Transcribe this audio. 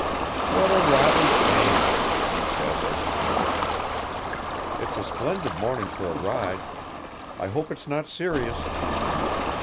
"What a rotten shame," he said as he took it. "It's a splendid morning for a ride. I hope it's not serious."